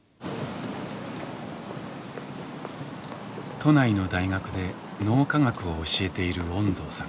都内の大学で脳科学を教えている恩蔵さん。